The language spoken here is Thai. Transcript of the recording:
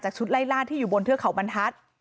ชุดไล่ล่าที่อยู่บนเทือกเขาบรรทัศน์